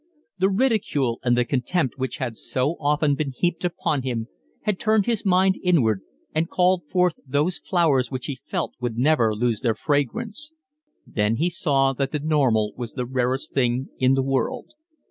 The ridicule and the contempt which had so often been heaped upon him had turned his mind inward and called forth those flowers which he felt would never lose their fragrance. Then he saw that the normal was the rarest thing in the world.